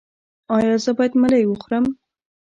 ایا زه باید ملی وخورم؟